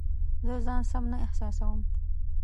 زه ځان سم نه احساسوم